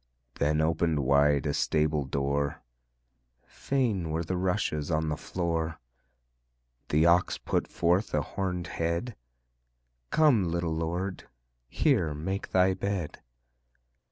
Then opened wide a stable door Fain were the rushes on the floor; The Ox put forth a horned head: "Come, little Lord, here make Thy bed."